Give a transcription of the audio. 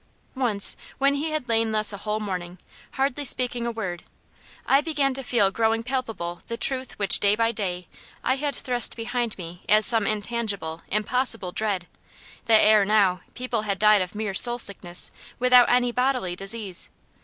Once, when he had lain thus a whole morning, hardly speaking a word, I began to feel growing palpable the truth which day by day I had thrust behind me as some intangible, impossible dread that ere now people had died of mere soul sickness, without any bodily disease.